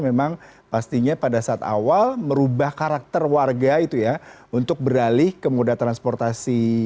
memang pastinya pada saat awal merubah karakter warga itu ya untuk beralih ke moda transportasi